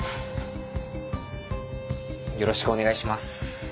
よろしくお願いします。